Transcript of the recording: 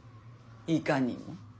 いかにも。